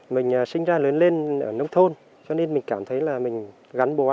mình sinh ra lớn lên ở nông thôn cho nên mình cảm thấy là mình gắn bó